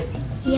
tidur lagi ya